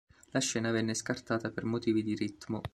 La scena venne scartata per motivi di ritmo.